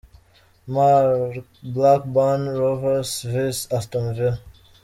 Mar, Blackburn Rovers vs Aston Villa.